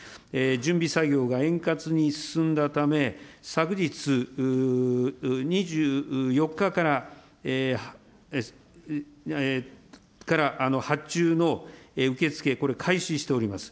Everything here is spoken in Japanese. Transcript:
準備作業が円滑に進んだため、昨日２４日から、発注の受け付け、これ、開始しております。